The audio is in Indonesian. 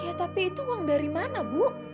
ya tapi itu uang dari mana bu